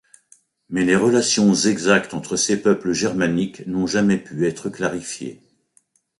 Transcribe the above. Mais les relations exactes entre ces peuples germaniques n'ont jamais pu être clarifiées.